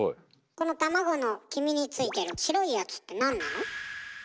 この卵の黄身についてる白いやつってなんなの？